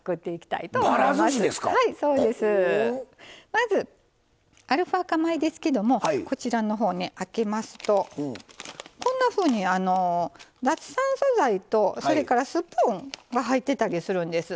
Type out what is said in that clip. まずアルファ化米ですけどもこちらのほうね開けますとこんなふうに脱酸素剤とそれからスプーンが入ってたりするんです。